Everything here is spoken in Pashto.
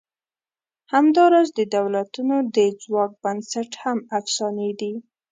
همدا راز د دولتونو د ځواک بنسټ هم افسانې دي.